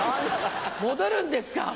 戻るんですか。